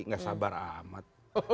gak sabar amat